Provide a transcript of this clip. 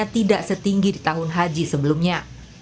tidak setinggi di tahun haji sebelumnya